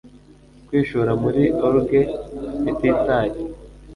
kwishora muri orgee ititaye